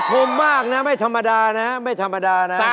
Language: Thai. มมากนะไม่ธรรมดานะไม่ธรรมดานะ